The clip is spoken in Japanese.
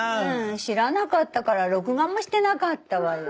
知らなかったから録画もしてなかったわよ。